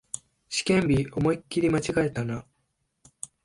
試験日、思いっきり間違えたな